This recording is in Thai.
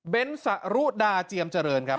เป็นสรุดาเจียมเจริญครับ